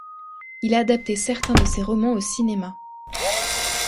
Il a adapté certains de ses romans au cinéma.